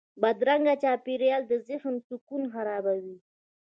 بدرنګه چاپېریال د ذهن سکون خرابوي